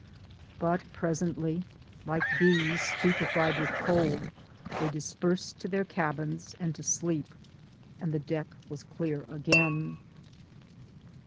But presently like bees stupefied with cold they dispersed to their cabins and to sleep, and the deck was clear again.